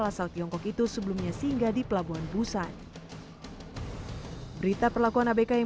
long sing enam ratus dua puluh sembilan tiongkok itu sebelumnya singgah di pelabuhan busan berita perlakuan abk yang